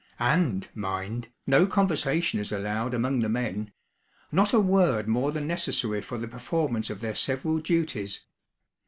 And, mind, no conversation is allowed among the men not a word more than necessary for the performance of their several duties.